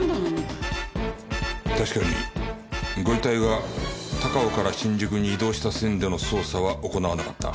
確かにご遺体が高尾から新宿に移動した線での捜査は行わなかった。